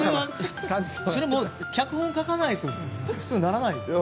それは脚本を書かないと普通、ならないですよね。